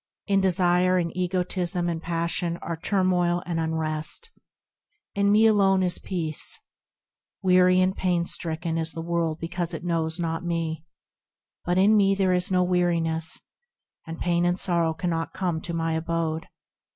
In desire and egotism and passion are turmoil and unrest, In me alone is peace ; Weary and pain stricken is the world because it knows not me ; But in me there is no weariness, And pain and sorrow cannot come to my abode.